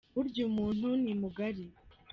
burya umuntu nimugari